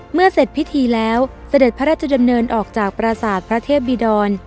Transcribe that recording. เสร็จพิธีแล้วเสด็จพระราชดำเนินออกจากปราศาสตร์พระเทพบิดร